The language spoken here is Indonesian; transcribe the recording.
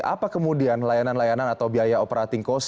apa kemudian layanan layanan atau biaya operating cost